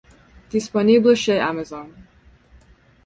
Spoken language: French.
Disponible chez Amazon.